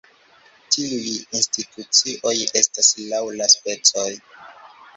Tiuj institucioj estas laŭ la specoj.